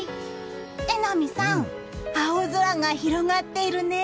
榎並さん、青空が広がっているね。